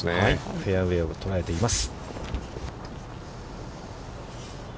フェアウェイを捉えています。